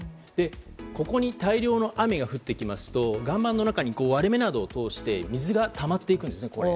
ここに大量の雨が降ってきますと岩盤の中に割れ目などを通して水がたまっていくんですね。